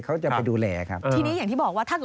โทษจะหนักขนาดนี้